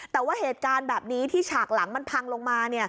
แต่ว่าเหตุการณ์แบบนี้ที่ฉากหลังมันพังลงมา